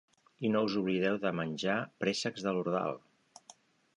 I no us oblideu de menjar préssecs de l'Ordal!